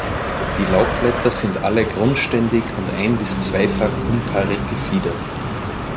Die Laubblätter sind alle grundständig und ein- bis zweifach unpaarig gefiedert.